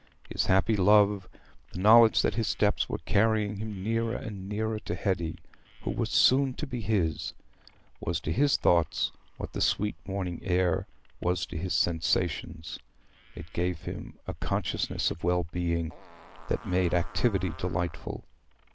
His happy love—the knowledge that his steps were carrying him nearer and nearer to Hetty, who was so soon to be his—was to his thoughts what the sweet morning air was to his sensations: it gave him a consciousness of well being that made activity delightful.